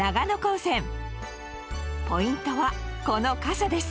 ポイントはこの傘です。